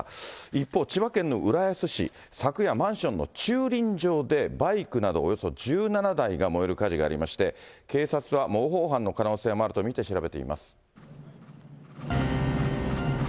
一方、千葉県の浦安市、昨夜、マンションの駐輪場で、バイクなどおよそ１７台が燃える火事がありまして、警察は模倣犯の可能性もあると見て調べています。